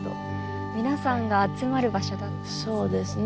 皆さんが集まる場所だったんですね。